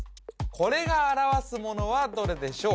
これが表すものはどれでしょう